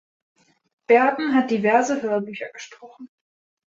Berben hat diverse Hörbücher gesprochen.